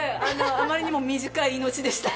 余りにも短い命でした。